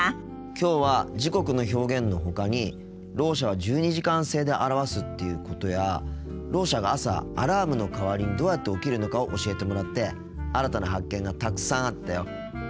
きょうは時刻の表現のほかにろう者は１２時間制で表すっていうことやろう者が朝アラームの代わりにどうやって起きるのかを教えてもらって新たな発見がたくさんあったよ。